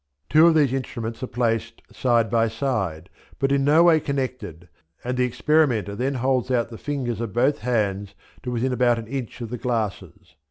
Two of these instruments are placed side by side, but in no way connected, and the experimenter then holds out the fingers of both hands to within about an inch of the glasses.